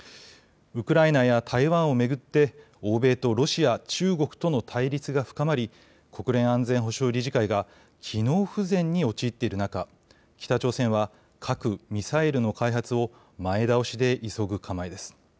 ウクライナや台湾を巡って欧米とロシア、中国との対立が深まり国連安全保障理事会が機能不全に陥っている中、北朝鮮は核・ミサイルの開発を前倒しで急ぐ構えです。